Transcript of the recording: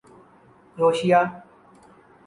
کروشیا